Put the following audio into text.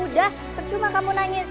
udah percuma kamu nangis